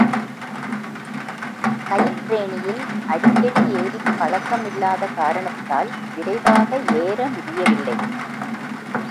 கயிற்றேணியில் அடிக்கடி ஏறிப் பழக்கமில்லாத காரணத்தால் விரைவாக ஏற முடியவில்லை.